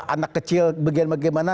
anak kecil bagaimana bagaimana